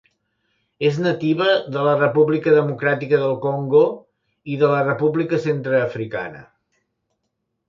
És nativa de la República Democràtica del Congo i de la República Centreafricana.